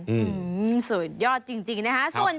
อืมสุดยอดจริงนะคะ